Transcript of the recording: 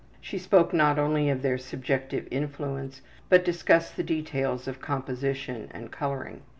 She spoke not only of their subjective influence, but discussed the details of composition and coloring.